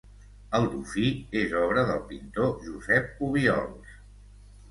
El dofí és obra del pintor Josep Obiols.